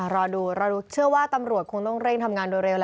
รอดูเชื่อว่าตำรวจคงต้องเร่งทำงานโดยเร็ว